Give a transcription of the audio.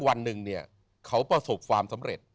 วันหนึ่งเนี่ยเขาประสบความสำเร็จ